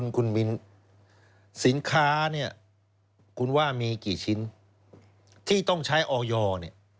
คุณมินสินค้าเนี่ยคุณว่ามีกี่ชิ้นที่ต้องใช้ออยเนี่ย